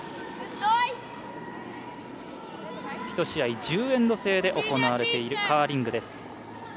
１試合１０エンド制で行われているカーリングです。